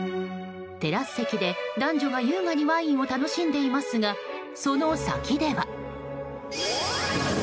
テラス席で、男女が優雅にワインを楽しんでいますがその先では。